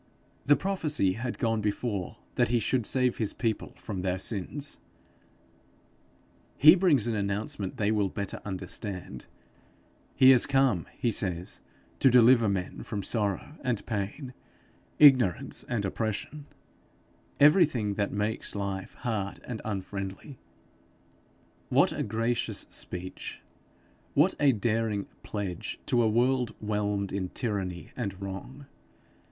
The prophecy had gone before that he should save his people from their sins; he brings an announcement they will better understand: he is come, he says, to deliver men from sorrow and pain, ignorance and oppression, everything that makes life hard and unfriendly. What a gracious speech, what a daring pledge to a world whelmed in tyranny and wrong!